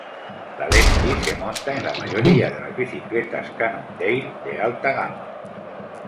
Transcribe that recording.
La Lefty se monta en la mayoría de las bicicletas Cannondale de alta gama.